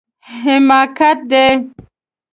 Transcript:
حماقت دی